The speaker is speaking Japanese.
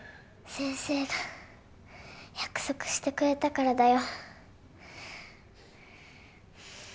先生が約束してくれたからだよ